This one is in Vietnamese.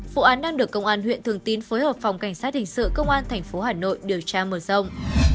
vụ án đang được công an huyện thường tín phối hợp phòng cảnh sát hình sự công an thành phố hà nội điều tra mở rộng